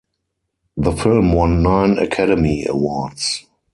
The film won nine Academy Awards.